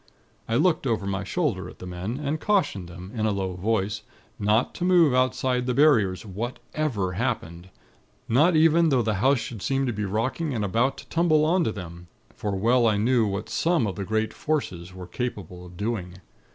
"I looked over my shoulder at the men, and cautioned them, in a low voice, not to move outside of the Barriers, whatever happened; not even though the house should seem to be rocking and about to tumble on to them; for well I knew what some of the great Forces are capable of doing.